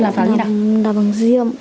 làm bằng riêng